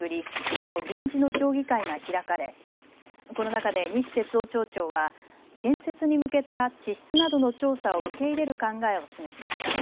きょう臨時の町議会が開かれこの中で西哲夫町長は建設に向けた地質などの調査を受け入れる考えを示しました。